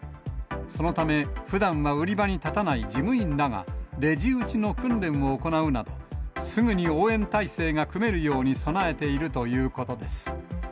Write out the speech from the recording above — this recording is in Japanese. そのため、ふだんは売り場に立たない事務員らが、レジ打ちの訓練を行うなど、すぐに応援態勢が組めるように備えているということです。